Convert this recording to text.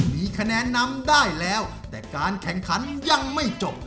มีคะแนนนำได้แล้วแต่การแข่งขันยังไม่จบ